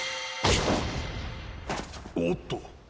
おっと！